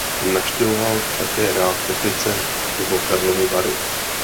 Navštěvoval také rád Teplice nebo Karlovy Vary.